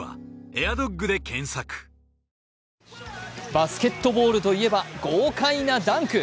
バスケットボールといえば豪快なダンク。